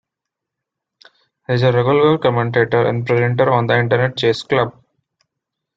He is a regular commentator and presenter on the Internet Chess Club.